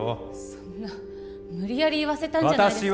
そんな無理やり言わせたんじゃないですか